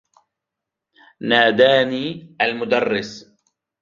ناداني المدرّس.